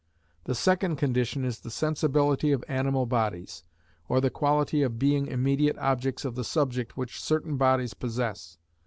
The second condition is the sensibility of animal bodies, or the quality of being immediate objects of the subject which certain bodies possess.